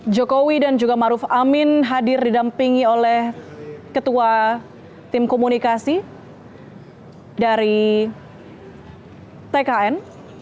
jokowi dan juga maruf amin hadir didampingi oleh ketua tim komunikasi dari tkn